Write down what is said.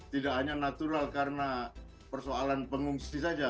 tidak hanya natural karena persoalan pengungsi saja